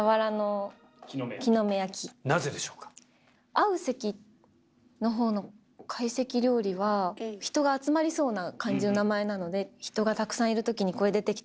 会う席のほうの会席料理は人が集まりそうな感じの名前なので人がたくさんいるときにこれ出てきたらおお！